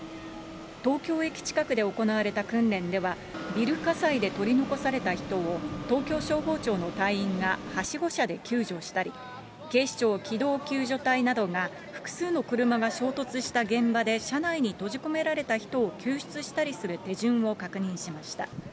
東京駅近くで行われた訓練では、ビル火災で取り残された人を、東京消防庁の隊員がはしご車で救助したり、警視庁機動救助隊などが、複数の車が衝突した現場で車内に閉じ込められた人を救出したりする手順を確認しました。